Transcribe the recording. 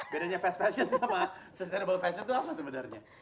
bedanya fast fashion sama sustainable fashion itu apa sebenarnya